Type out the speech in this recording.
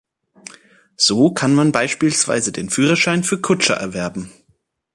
So kann man beispielsweise den Führerschein für Kutscher erwerben.